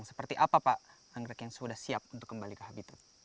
seperti apa pak anggrek yang sudah siap untuk kembali ke habitat